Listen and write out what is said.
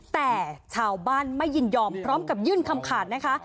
แต่ชาวบ้านไม่ยินยอมพร้อมกับยื่นคำขาดนะคะ